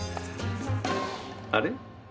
あれ？